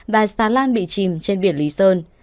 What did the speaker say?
và xà lan bị chìm trên biển lý sơn